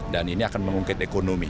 dan ini akan memungkinkan ekonomi